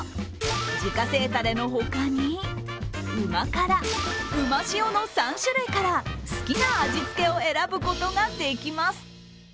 自家製タレのほかに、旨辛、旨塩の３種類から好きな味付けを選ぶことができます。